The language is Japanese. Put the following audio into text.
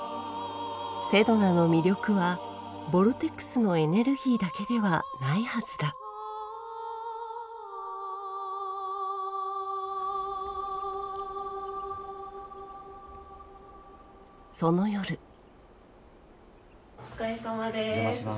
セドナの魅力はボルテックスのエネルギーだけではないはずだその夜お疲れさまです。